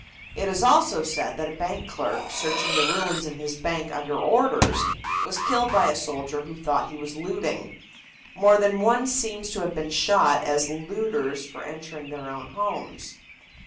It is also said that a bank clerk, searching the ruins of his bank under orders, was killed by a soldier who thought he was looting. More than one seems to have been shot as looters for entering their own homes.